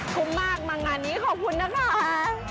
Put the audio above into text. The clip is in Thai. คุ้มมากมางานนี้ขอบคุณนะคะ